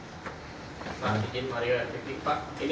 bagaimana masyarakat sekitar bisa lebih ketang